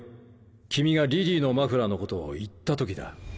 君がリリーのマフラーのことを言った時だ。